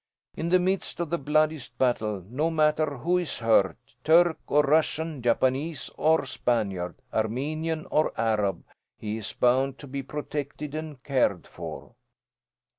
In the midst of the bloodiest battle, no matter who is hurt, Turk or Russian, Japanese or Spaniard, Armenian or Arab, he is bound to be protected and cared for.